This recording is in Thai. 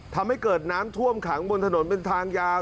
ทำให้เกิดน้ำท่วมขังบนถนนเป็นทางยาว